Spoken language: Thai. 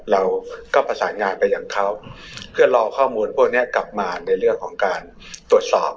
เราก็ประสานงานไปอย่างเขาเพื่อรอข้อมูลพวกนี้กลับมาในเรื่องของการตรวจสอบ